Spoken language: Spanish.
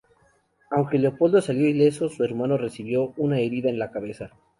Aunque Leopoldo salió ileso su hermano recibió una herida en la cabeza.